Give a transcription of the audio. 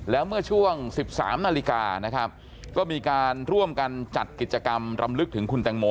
แล้วเมื่อช่วง๑๓นาฬิกานะครับก็มีการร่วมกันจัดกิจกรรมรำลึกถึงคุณแตงโม